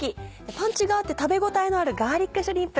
パンチがあって食べ応えのあるガーリックシュリンプ。